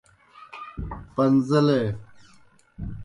پݩزیلے۔